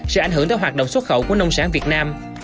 sẽ ảnh hưởng tới hoạt động xuất khẩu của nông sản việt nam